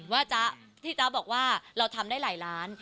จ๊ะที่จ๊ะบอกว่าเราทำได้หลายล้าน